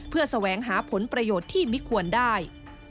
เพื่อแสวงหาผลประโยชน์ที่ไม่ควรได้